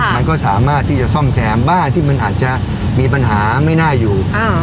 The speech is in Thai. มันก็สามารถที่จะซ่อมแซมบ้านที่มันอาจจะมีปัญหาไม่น่าอยู่